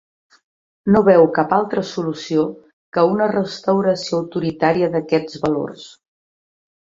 No veu cap altra solució que una restauració autoritària d'aquests valors.